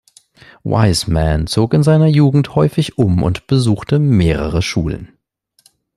Wiseman zog in seiner Jugend häufig um und besuchte mehrere Schulen.